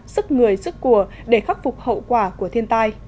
sức người sức của để khắc phục hậu quả của thiên tai